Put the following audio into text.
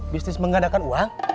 bisnis mengadakan uang